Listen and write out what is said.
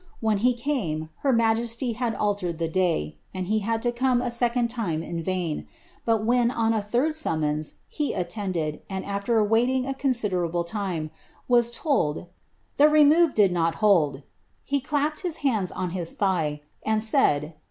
When be came, her majesty had altered ilif day, and he had to come a second lime in vain ; but when, on a ihirJ summons, he attended, and, after wailing a considerable time, was told " the remove did not hold," he clapped his hand on his thizh. and raiJ.